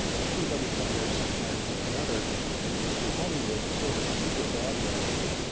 Everybody come there sometime or another, and it was to Hollywood a sort of super dog wagon.